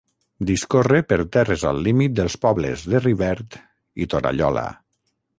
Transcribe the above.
Discorre per terres al límit dels pobles de Rivert i Torallola.